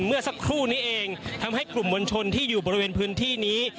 เมื่อสักครู่นี้เองทำให้กลุ่มมวลชนที่อยู่บริเวณพื้นที่นี้